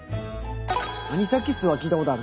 アニサキスは聞いたことあるね。